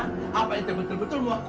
atau apakah anda benar benar ingin